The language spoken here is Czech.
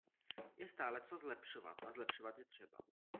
Je stále co zlepšovat a zlepšovat je třeba.